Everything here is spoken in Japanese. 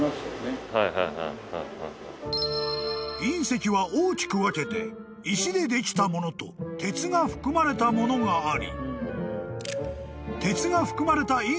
［隕石は大きく分けて石でできたものと鉄が含まれたものがあり］